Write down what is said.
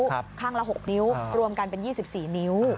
ข้างละ๖นิ้วรวมกันเป็น๒๔นิ้ว